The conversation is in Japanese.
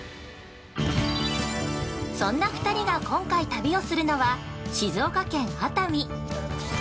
そんな２人が、今回旅をするのは静岡県・熱海。